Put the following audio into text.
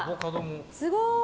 すごい！